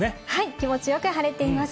気持ちよく晴れています。